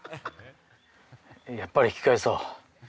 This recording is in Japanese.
やっぱり引き返そう。